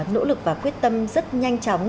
nỗ lực và quyết tâm rất nhanh chóng